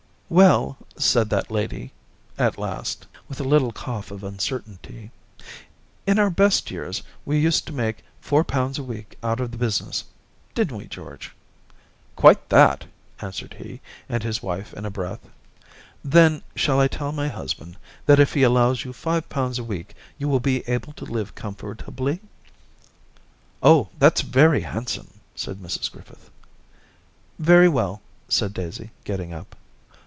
* Well,' said that lady, at last, with a little cough of uncertainty, * in our best years we used to make four pounds a week out of the business — didn't we, George }'* Quite that !' answered he and his wife, in a breath. Daisy 275 * Then, shall I tell my husband that if he allows you five pounds a week you will be able to live comfortably?' ' Oh, that's very handsome !' said Mrs Griffith. ' Very well/ said Daisy, getting up.